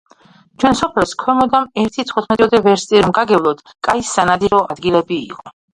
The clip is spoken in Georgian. ჩვენს სოფელს ქვემოდამ ერთი თხუთმეტიოდე ვერსტი რომ გაგევლოთ, კაი სანადირო ადგილები იყო.